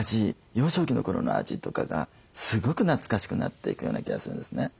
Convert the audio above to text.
幼少期の頃の味とかがすごく懐かしくなっていくような気がするんですね。